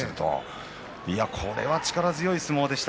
これは力強い相撲でした